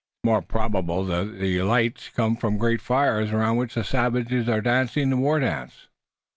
"It's more probable that the light comes from great fires, around which the savages are dancing the war dance."